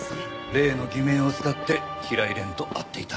例の偽名を使って平井蓮と会っていた。